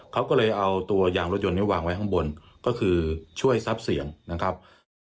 เขาก็เลยเอาตัวยางรถยนต์นี้วางไว้ข้างบนก็คือช่วยซับเสียงนะครับ